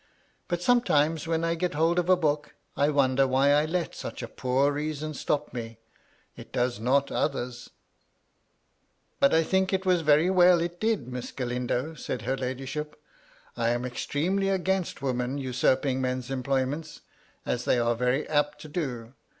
But sometimes, when I get hold of a book, I wonder why I let such a poor reason stop me. It does not others." MY LADY LUDLOW, 217 " But I think it was very well it did, Miss Galindo," said her ladyship. " I am extremely against women usm|)ing men's employments, as they are very apt to do.